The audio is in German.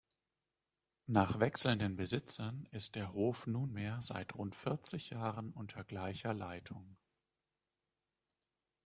Nach wechselnden Besitzern ist der Hof nunmehr seit rund vierzig Jahren unter gleicher Leitung.